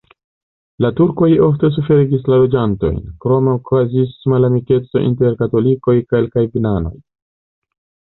La turkoj ofte suferigis la loĝantojn, krome okazis malamikeco inter katolikoj kaj kalvinanoj.